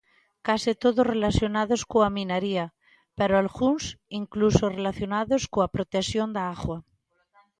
Case todos relacionados coa minaría, pero algúns incluso relacionados coa protección da auga.